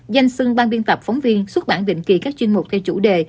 danh sưng ban biên tập phóng viên xuất bản định kỳ các chuyên mục theo chủ đề